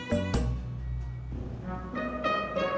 kamu sama amin